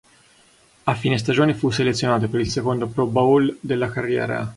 A fine stagione fu selezionato per il secondo Pro Bowl della carriera.